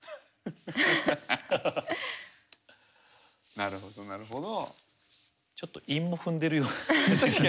なるほどなるほど。